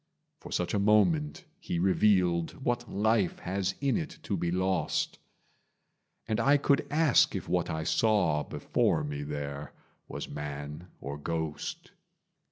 For such a moment he revealed What life has in it to be lost; And I could ask if what I saw, Before me there, was man or ghost.